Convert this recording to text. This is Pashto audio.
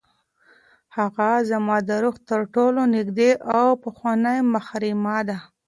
هغه زما د روح تر ټولو نږدې او پخوانۍ محرمه ده.